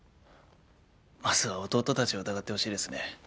まずは弟たちを疑ってほしいですね。